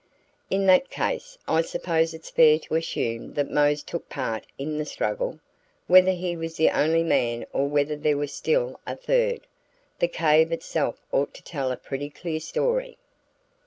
"In that case I suppose it's fair to assume that Mose took part in the struggle. Whether he was the only man or whether there was still a third, the cave itself ought to tell a pretty clear story."